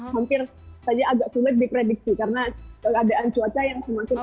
hampir saja agak sulit diprediksi karena keadaan cuaca yang semakin